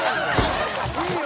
「いいよ！